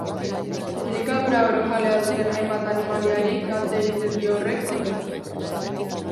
Elikadura orojalea duten hainbat animaliari kalte egiten dio horrek, ordea.